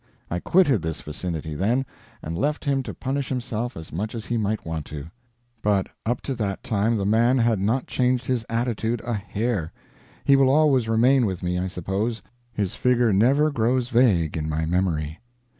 I quitted this vicinity, then, and left him to punish himself as much as he might want to. But up to that time the man had not changed his attitude a hair. He will always remain with me, I suppose; his figure never grows vague in my memory.